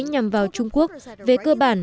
nhằm vào trung quốc về cơ bản